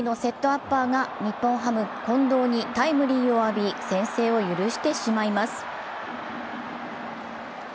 アッパーが日本ハム・近藤にタイムリーを浴び、先制を許してしまいます。